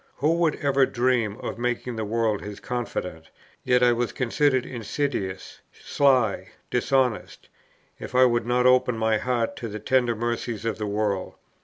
Who would ever dream of making the world his confidant? yet I was considered insidious, sly, dishonest, if I would not open my heart to the tender mercies of the world.